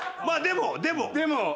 まあでもでも。